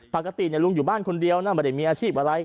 ปกติลุงอยู่บ้านคนเดียวนะไม่ได้มีอาชีพอะไร